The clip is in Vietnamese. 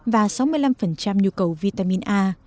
và sáu mươi năm nhu cầu vitamin a